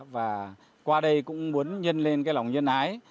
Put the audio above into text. và qua đây cũng muốn nhân lên cái lòng nhân ái